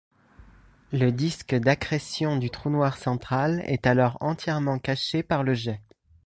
Le disque d'accrétion du trou noir central est alors entièrement caché par le jet.